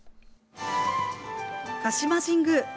鹿島神宮。